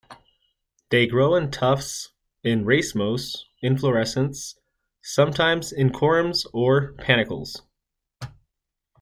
They grow in tufts, in racemose inflorescences, sometimes in corymbs or panicles.